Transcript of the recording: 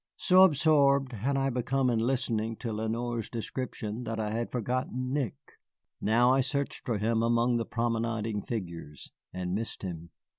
So absorbed had I become in listening to Lenoir's description that I had forgotten Nick. Now I searched for him among the promenading figures, and missed him.